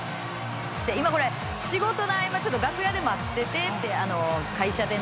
今これ仕事の合間ちょっと楽屋で待っててって会社でね。